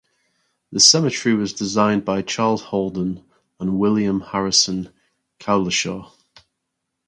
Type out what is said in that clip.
The cemetery was designed by Charles Holden and William Harrison Cowlishaw.